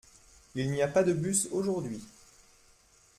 Il n’y a pas de bus aujourd’hui.